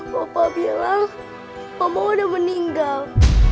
papa bilang mama udah meninggal